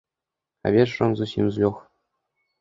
А вечарам зусім злёг.